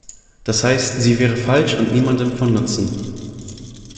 Das heißt, sie wäre falsch und niemandem von Nutzen.